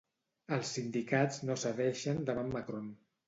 Els sindicats no cedeixen davant Macron.